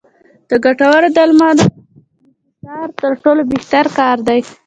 د ګټورو درملو انحصار تر ټولو بهتره کار دی.